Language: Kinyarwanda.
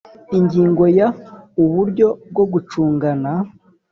Ingingo ya uburyo bwo gucungana